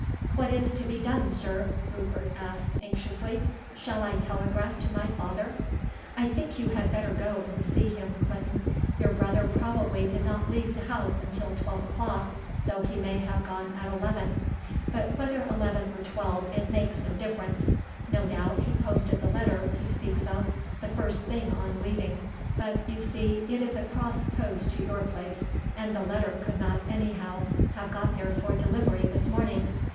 "What is to be done, sir?" Rupert asked anxiously. "Shall I telegraph to my father?" "I think you had better go and see him, Clinton. Your brother probably did not leave the house until twelve o'clock, though he may have gone at eleven. But whether eleven or twelve it makes no difference. No doubt he posted the letter he speaks of the first thing on leaving; but, you see, it is a cross post to your place, and the letter could not anyhow have got there for delivery this morning.